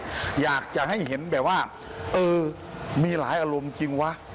อยากจะให้เห็นแบบว่าเออมีหลายอารมณ์จริงวะ